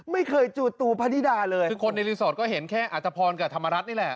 ไม่เคยจูตูพะนิดาเลยคือคนในรีสอร์ทก็เห็นแค่อัตภพรกับธรรมรัฐนี่แหละ